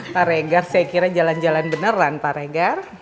pak regar saya kira jalan jalan beneran pak regar